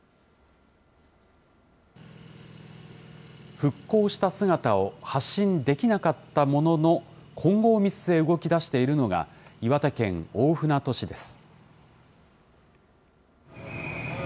復興した姿を発信できなかったものの、今後を見据え、動きだしているのが、岩手県大船渡市です。